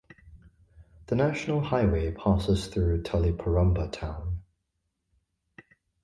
The national highway passes through Taliparamba town.